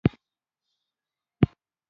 نن پخپله د ښکاري غشي ویشتلی